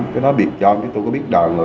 cái đó biệt dâm chứ tôi có biết đoàn rồi